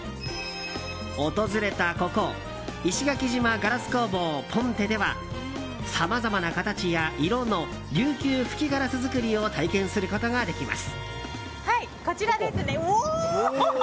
訪れたここ石垣島ガラス工房Ｐｏｎｔｅではさまざまな形や色の琉球吹きガラス作りを体験することができます。